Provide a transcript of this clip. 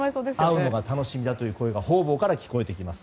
会うのが楽しみだという声が方々から聞こえてきます。